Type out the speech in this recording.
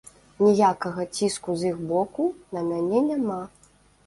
Ніякага ціску з іх боку на мяне няма.